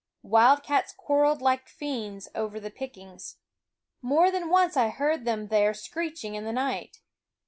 Wild cats quarreled like fiends over the pickings; more than once I heard them there screeching in the night.